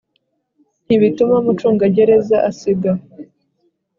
ntibituma umucungagereza asiga